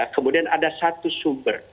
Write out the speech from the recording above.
kemudian ada satu sumber